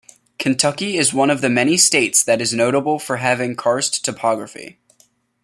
Kentucky is one of the many states that is notable for having karst topography.